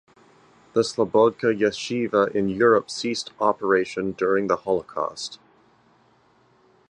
The Slabodka yeshiva in Europe ceased operation during the Holocaust.